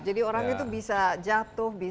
jadi orang itu bisa jatuh bisa